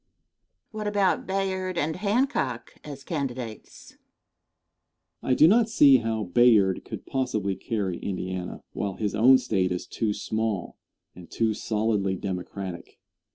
Question. What about Bayard and Hancock as candidates? Answer. I do not see how Bayard could possibly carry Indiana, while his own State is too small and too solidly Democratic.